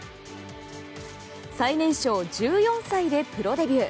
最年少１４歳でプロデビュー。